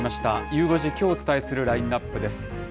ゆう５時、きょうお伝えするラインナップです。